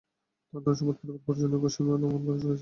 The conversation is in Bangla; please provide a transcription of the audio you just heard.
তার ধনসম্পদ ও পরিবার পরিজনের উপর সীমা লংঘন করেছে।